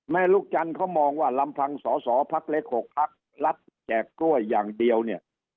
แม่ลูกจันทร์เขามองว่าลำพังสสพล๖อรัฐแจกด้วยอย่างเดียวเนี่ย